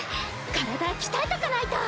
体鍛えとかないと。